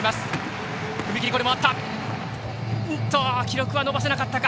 記録は伸ばせなかったか。